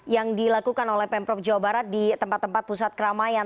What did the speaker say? yang dilakukan oleh pemprov jawa barat di tempat tempat pusat keramaian